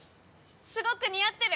すごく似合ってる！